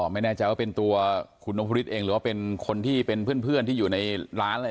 ไม่แน่ใจว่าเป็นตัวคุณอำมก็เป็นคนที่เป็นเพื่อนที่อยู่ในร้าน